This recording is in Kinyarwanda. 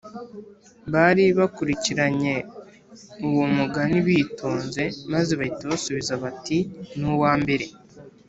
bari bakurikiranye uwo mugani bitonze, maze bahita basubiza bati: ‘ni uwa mbere